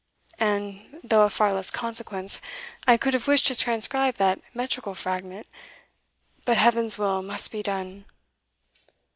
And, though of far less consequence, I could have wished to transcribe that metrical fragment. But Heaven's will must be done!"